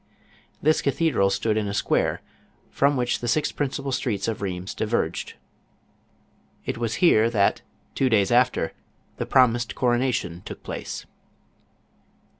This cathedral stood in a square, from which the six principal streets of Rlieims diverged. It was here that, two days after, the promised coronation took place.